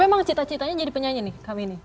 emang cita citanya jadi penyanyi nih kamini